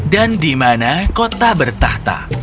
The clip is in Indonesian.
dan di mana kota bertahta